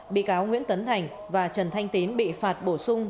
bị cáo nguyễn tấn thành và trần thanh tín bị phạt bổ sung